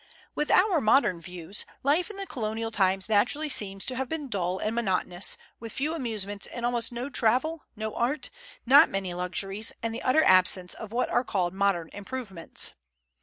With our modern views, life in Colonial times naturally seems to have been dull and monotonous, with few amusements and almost no travel, no art, not many luxuries, and the utter absence of what are called "modern improvements."